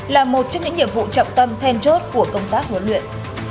là một trong những nhiệm vụ trọng tâm then chốt của công tác huấn luyện